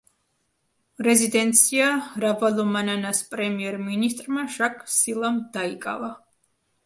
რეზიდენცია რავალომანანას პრემიერ-მინისტრმა, ჟაკ სილამ დაიკავა.